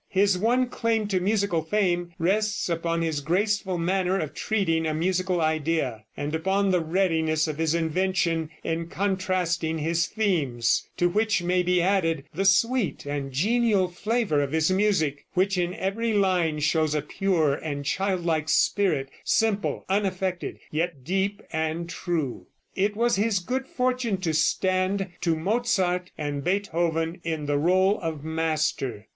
His one claim to musical fame rests upon his graceful manner of treating a musical idea, and upon the readiness of his invention in contrasting his themes, to which may be added the sweet and genial flavor of his music, which in every line shows a pure and childlike spirit, simple, unaffected, yet deep and true. It was his good fortune to stand to Mozart and Beethoven in the rôle of master.